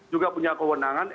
juga punya kewenangan